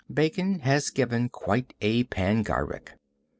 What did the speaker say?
Bacon has given quite a panegyric.